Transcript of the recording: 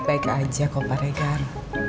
kami baik baik aja kok pak regar